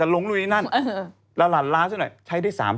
ลงไปที่นั่นบั้งอยู่หน่อยใช้ได้๓สรึง